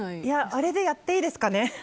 あれでやっていいですかね。